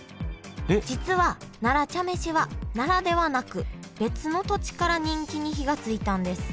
実は奈良茶飯は奈良ではなく別の土地から人気に火がついたんです。